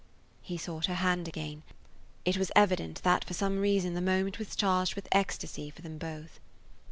He sought her hand again. It was evident that for some reason the moment was charged with ecstasy for them both.